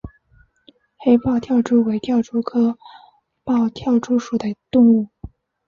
黑豹跳蛛为跳蛛科豹跳蛛属的动物。